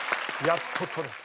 やっと取れた。